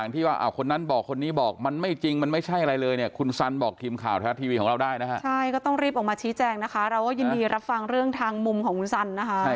ที่ว่าคนนั้นบอกคนนี้บอกมันไม่จริงมันไม่ใช่อะไรเลย